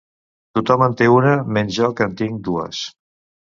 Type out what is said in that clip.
Tothom en té una, menys jo que en tinc dues.